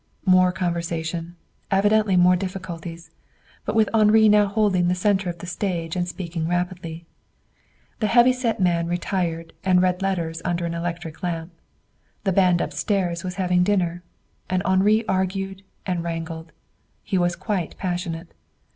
More conversation. Evidently more difficulties but with Henri now holding the center of the stage and speaking rapidly. The heavy set man retired and read letters under an electric lamp. The band upstairs was having dinner. And Henri argued and wrangled. He was quite passionate.